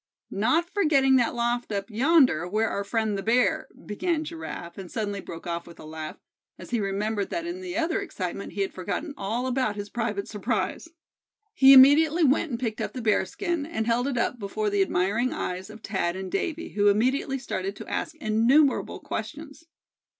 "Not forgetting that loft up yonder, where our friend, the bear—" began Giraffe, and suddenly broke off with a laugh, as he remembered that in the other excitement he had forgotten all about his private surprise. He immediately went and picked up the bearskin, and held it up before the admiring eyes of Thad and Davy, who immediately started to ask innumerable questions.